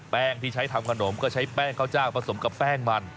ที่ใช้ทำขนมก็ใช้แป้งข้าวเจ้าผสมกับแป้งมัน